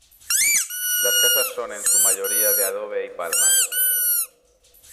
Las casas son en su mayoría de adobe y palmas.